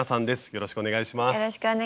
よろしくお願いします。